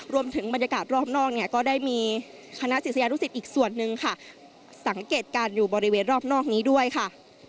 รวมถึงบรรยากาศรอบนอกเนี่ยก็ได้มีคณะศิษยานุสิตอีกส่วนหนึ่งค่ะสังเกตการณ์อยู่บริเวณรอบนอกนี้ด้วยค่ะ